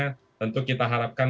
pemberitaannya tentu kita harapkan